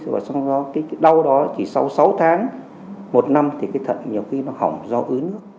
rồi xong rồi đau đó chỉ sau sáu tháng một năm thì cái thận nhiều khi nó hỏng do ướt nước